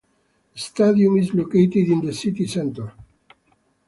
The stadium is located in the city centre.